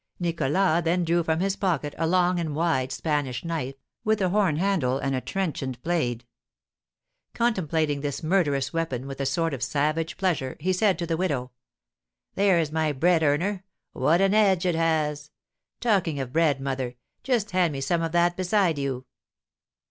Nicholas then drew from his pocket a long and wide Spanish knife, with a horn handle and a trenchant blade. Contemplating this murderous weapon with a sort of savage pleasure, he said to the widow: "There's my bread earner, what an edge it has! Talking of bread, mother, just hand me some of that beside you."